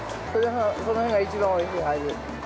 この辺が一番おいしいはず。